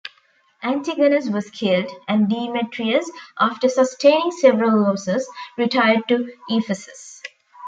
Antigonus was killed, and Demetrius, after sustaining severe losses, retired to Ephesus.